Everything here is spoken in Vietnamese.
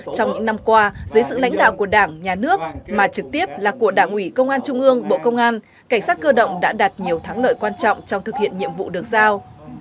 trong những năm qua dưới sự lãnh đạo của đảng nhà nước mà trực tiếp là của đảng ủy công an trung ương bộ công an cảnh sát cơ động đã đạt nhiều thắng lợi quan trọng trong thực hiện nhiệm vụ được giao